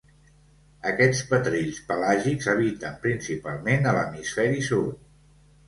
Aquests petrells pelàgics habiten principalment a l'Hemisferi Sud.